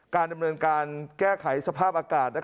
การดำเนินการแก้ไขสภาพอากาศ